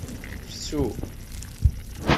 Fsu.